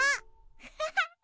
アハハ！